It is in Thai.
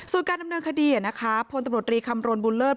ส่วนการดำเนินคดีพลตำรวจรีคำรณบุญเลิศ